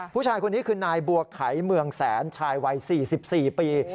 ผู้ชายคนนี้คือนายบัวไขเมืองแสนชายวัย๔๔ปี